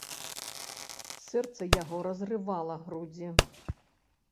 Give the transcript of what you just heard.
Сэрца яго разрывала грудзі.